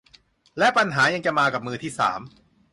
และปัญหายังจะมากับมือที่สาม